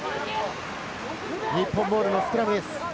日本ボールのスクラムです。